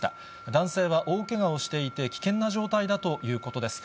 男性は大けがをしていて、危険な状態だということです。